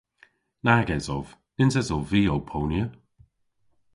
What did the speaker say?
Nag esov. Nyns esov vy ow ponya.